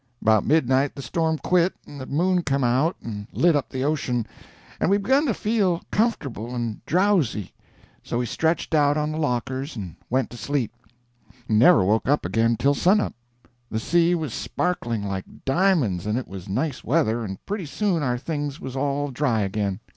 About midnight the storm quit and the moon come out and lit up the ocean, and we begun to feel comfortable and drowsy; so we stretched out on the lockers and went to sleep, and never woke up again till sun up. The sea was sparkling like di'monds, and it was nice weather, and pretty soon our things was all dry again.